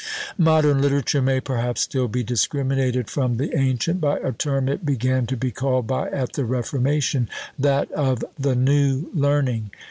Modern literature may, perhaps, still be discriminated from the ancient, by a term it began to be called by at the Reformation, that of "the New Learning."